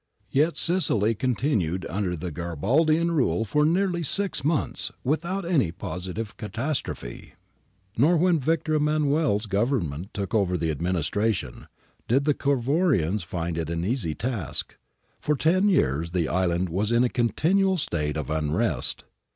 Yet Sicily continued under the Garibaldian rule for nearly six months without any positive catastrophe. Nor, when Victor Kmmanuel's Government took over the administration, did the Cavour ians find it an easy task. For ten years the island was in a continual state of unrest.